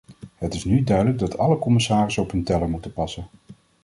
Het is nu duidelijk dat alle commissarissen op hun tellen moeten passen.